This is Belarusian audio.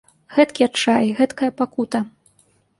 Гэткі адчай, гэткая пакута!